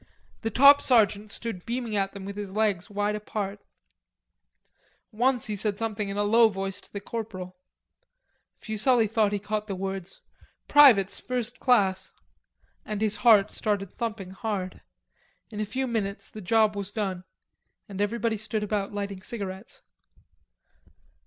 The top sergeant stood beaming at them with his legs wide apart. Once he said something in a low voice to the corporal. Fuselli thought he caught the words: "privates first class," and his heart started thumping hard. In a few minutes the job was done, and everybody stood about lighting cigarettes.